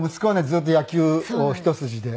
ずっと野球を一筋で。